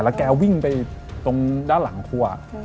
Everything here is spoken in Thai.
แล้วแกวิ้งไปตรงด้านหลังคั่ว